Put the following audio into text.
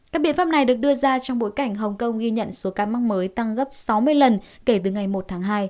các biện pháp này được đưa ra trong bối cảnh hồng kông ghi nhận số ca mắc mới tăng gấp sáu mươi lần kể từ ngày một tháng hai